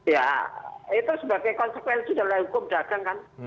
ya itu sebagai konsekuensi dalam hukum dagang kan